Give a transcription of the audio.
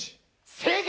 正解！